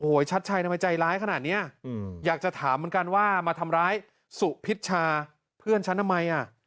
ชัดชัยทำไมใจร้ายขนาดนี้อยากจะถามเหมือนกันว่ามาทำร้ายสุพิชชาเพื่อนฉันทำไมอ่ะ